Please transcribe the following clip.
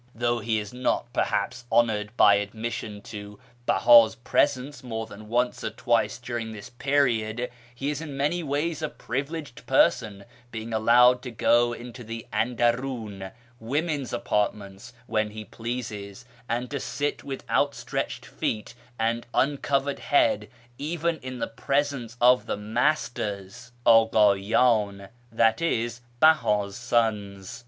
Though he is not, perhaps, honoured by admission to Bella's presence more than once or twice during this period, he is in many ways a privileged person, being allowed to go into the andarun (women's apart ments) when he pleases, and to sit with outstretched feet and uncovered head even in the presence of the Masters {Akdydn, i.e. Behas sons).